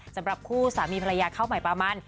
สำหรับคู่สามีภรรยาเข้าใหม่ปามัน